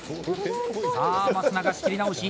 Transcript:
さあ松永、仕切り直し。